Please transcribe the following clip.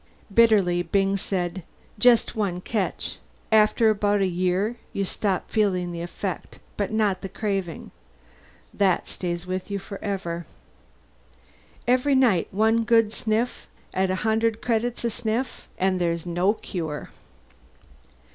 Bitterly Byng said, "Just one catch after about a year you stop feeling the effect. But not the craving. That stays with you forever. Every night, one good sniff at a hundred credits a sniff. And there's no cure."